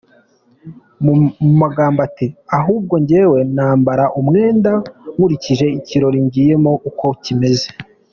Mu magambo ye ati “ Ahubwo njyewe nambara umwenda nkurikije ikirori ngiyemo uko kimeze.